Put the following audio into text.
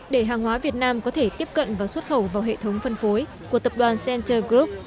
để hàng hóa việt nam có thể tiếp cận và xuất khẩu vào hệ thống phân phối của tập đoàn center group